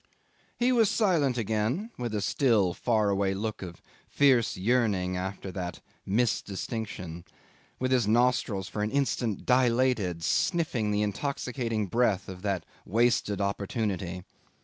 'He was silent again with a still, far away look of fierce yearning after that missed distinction, with his nostrils for an instant dilated, sniffing the intoxicating breath of that wasted opportunity.